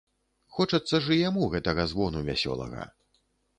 Хочацца ж і яму гэтага звону вясёлага.